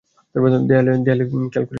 দেয়ালে খেয়াল করেছিস?